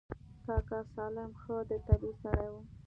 کاکا سالم ښه د طبعې سړى و.